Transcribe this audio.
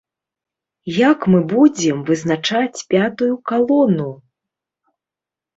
Як мы будзем вызначаць пятую калону?